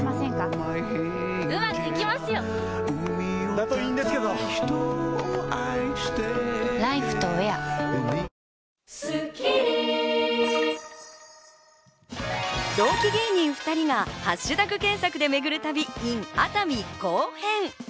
「ほんだし」で同期芸人２人がハッシュタグ検索で巡る旅ｉｎ熱海後編。